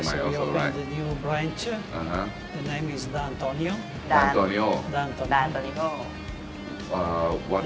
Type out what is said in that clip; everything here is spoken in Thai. ก็สามารถไปได้